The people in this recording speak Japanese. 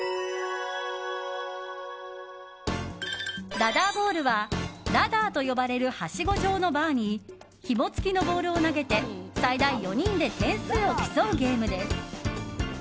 ラダーボールはラダーと呼ばれるはしご状のバーにひも付きのボールを投げて最大４人で点数を競うゲームです。